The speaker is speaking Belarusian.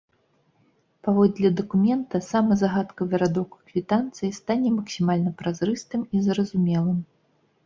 Паводле дакумента, самы загадкавы радок у квітанцыі стане максімальна празрыстым і зразумелым.